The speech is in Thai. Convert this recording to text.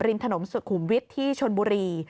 ริมถนนสุขุมวิทย์ที่ชนบุรี